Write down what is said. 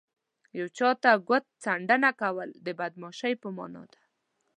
یو چاته ګوت څنډنه کول د بدماشۍ په مانا ده